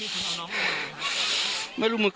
เพื่อนบ้านเจ้าหน้าที่อำรวจกู้ภัย